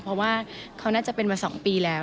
เพราะว่าเขาน่าจะเป็นมา๒ปีแล้ว